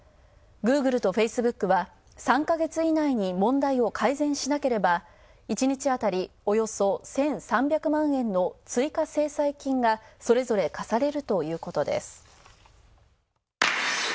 グーグルとフェイスブックは３か月以内に問題を改善しなければ、１日当たりおよそ１３００万円の追加制裁金がそれぞれ、科されるということです。